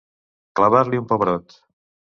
Clavar-li un pebrot.